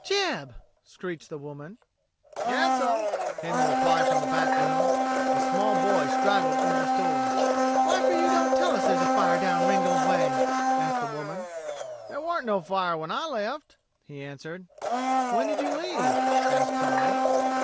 "Jeb!" screeched the woman. "Yes'm," came the response from the back room. A small boy straggled into the store. "Whyfor you don't tell us there's a fire down Ringgold way?" asked the woman. "There wa'n't no fire when I left," he answered. "When did you leave?" asked Tom.